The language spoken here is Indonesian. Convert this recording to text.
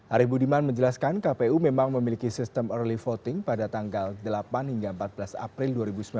arief budiman menjelaskan kpu memang memiliki sistem early voting pada tanggal delapan hingga empat belas april dua ribu sembilan belas